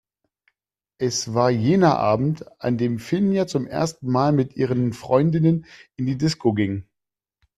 Es war jener Abend, an dem Finja zum ersten Mal mit ihren Freundinnen in die Disco ging.